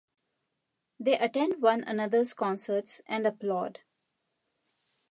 They attend one another's concerts and applaud.